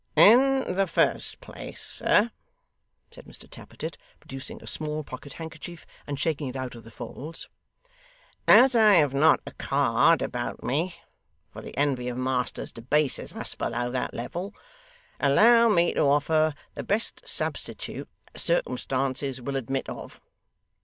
'In the first place, sir,' said Mr Tappertit, producing a small pocket handkerchief and shaking it out of the folds, 'as I have not a card about me (for the envy of masters debases us below that level) allow me to offer the best substitute that circumstances will admit of.